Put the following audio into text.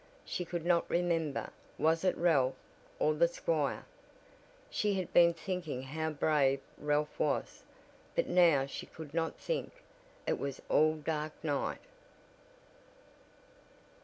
She could not remember was it Ralph, or the squire? She had been thinking how brave Ralph was But now she could not think, it was all dark night!